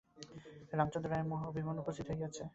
রামচন্দ্র রায়ের মহা অভিমান উপস্থিত হইয়াছে।